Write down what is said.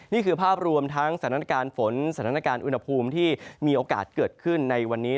นี่คือภาพรวมทั้งสถานการณ์ฝนสถานการณ์อุณหภูมิที่มีโอกาสเกิดขึ้นในวันนี้